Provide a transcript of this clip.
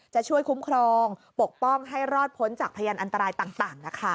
จะช่วยคุ้มครองปกป้องให้รอดพ้นจากพยานอันตรายต่างนะคะ